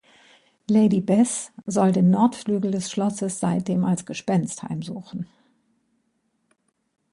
Lady Bess soll den Nordflügel des Schlosses seitdem als Gespenst heimsuchen.